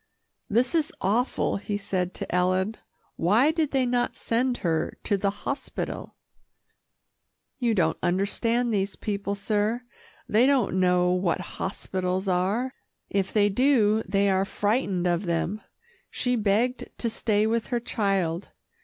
"This is awful," he said to Ellen. "Why did they not send her to the hospital?" "You don't understand these people, sir. They don't know what hospitals are. If they do, they are frightened of them. She begged to stay with her child.